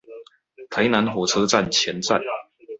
臺南火車站前站